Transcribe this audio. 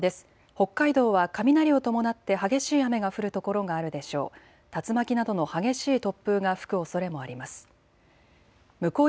北海道は雷を伴って激しい雨が降る所があるでしょう。